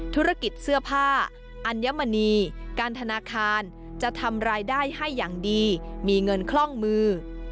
ธุรกิจเสื้อผ้าอัญมณีการธนาคารจะทำรายได้ให้อย่างดีมีเงินคล่องมือ